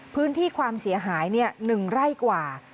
พื้นที่ความเสียหาย๑ไร่กว่า